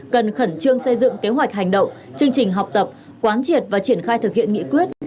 cần khẩn trương xây dựng kế hoạch hành động chương trình học tập quán triệt và triển khai thực hiện nghị quyết